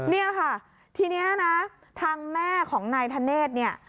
เนี่ยค่ะทีนี้นะทางแม่ของนายธเนธเนี่ย